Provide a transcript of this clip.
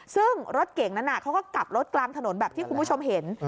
ซึ่งรถเก่งนั้นเขาก็กลับรถกลางถนนแบบที่คุณผู้ชมเห็น